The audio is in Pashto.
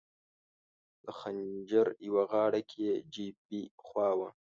د خنجر یوه غاړه د کي جي بي خوا وه.